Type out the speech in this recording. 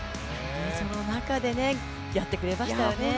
その中でやってくれましたよね。